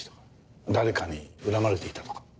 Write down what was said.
誰かに恨まれていたとか。